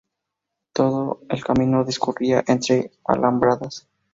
Todo el camino discurría entre alambradas.